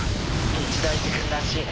一大寺君らしいね。